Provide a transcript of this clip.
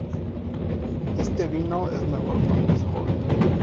Este vino es mejor cuando es joven.